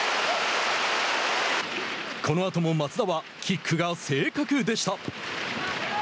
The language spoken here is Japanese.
このあとも松田はキックが正確でした。